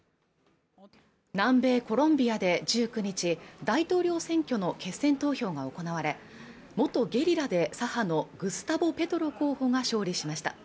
南米コロンビアで１９日大統領選挙の決選投票が行われ元ゲリラで左派のグスタボ・ペトロ候補が勝利しました